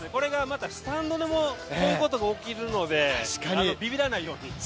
スタンドでもこういうことが起きるので、ビビらないように。